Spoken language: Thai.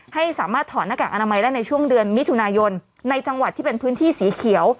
ให้สามารถถอดหน้ากากอนามัยได้ในช่วงเดือนมิถุนายนในจังหวัดที่เป็นพื้นที่สีเขียว